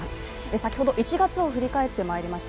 先ほど１月を振り返ってまいりました。